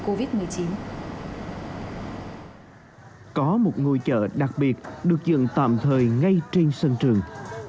có một ngôi chợ đặc biệt được dựng tạm thời ngay trên sân trường